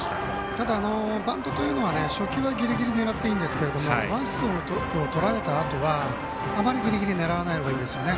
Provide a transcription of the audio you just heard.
ただ、バントというのは初球はぎりぎり狙っていいんですがワンストライクをとられたあとはあまりギリギリにならないほうがいいですね。